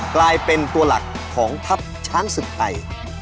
กลายเป็นตัวหลักของทัพช้างศึกไทย